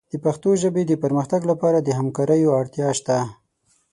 د پښتو ژبې د پرمختګ لپاره د همکاریو اړتیا شته.